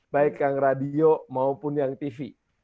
baik yang radio maupun yang tv